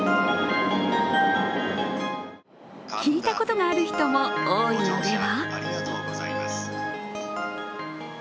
聞いたことがある人も多いのでは？